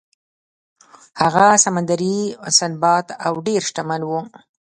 هغه سمندري سنباد و او ډیر شتمن و.